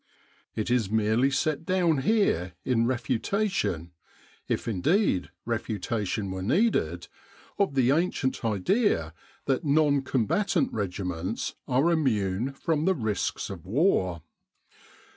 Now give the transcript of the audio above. It is merely set down here in refutation if indeed refutation were needed of the ancient idea that non combatant regiments are immune from the risks of war.